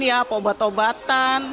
ya apa obat obatan